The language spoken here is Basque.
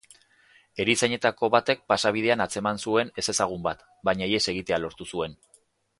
Erizainetako batek pasabidean atzeman zuen ezezagun bat, baina ihes egitea lortu zuen.